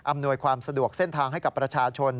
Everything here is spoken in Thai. อำนวยความสะดวกเส้นทางให้กับประชาชน